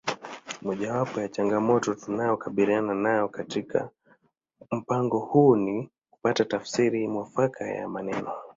Mojawapo ya changamoto tunayokabiliana nayo katika mpango huu ni kupata tafsiri mwafaka ya maneno